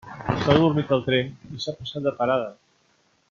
S'ha adormit al tren i s'ha passat de parada.